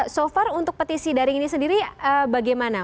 so far untuk petisi daring ini sendiri bagaimana